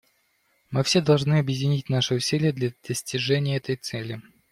Мы все должны объединить наши усилия для достижения этой цели.